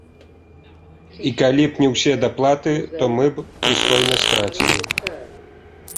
І калі б не ўсе даплаты, то мы б прыстойна страцілі.